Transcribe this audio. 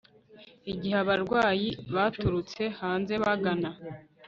Igihe abarwayi baturutse hanze bagana